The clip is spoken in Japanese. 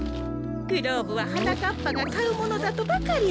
グローブははなかっぱがかうものだとばかりおもってたから。